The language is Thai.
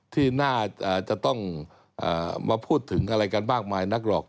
ที่น่าจะต้องมาพูดถึงอะไรกันมากมายนักหรอก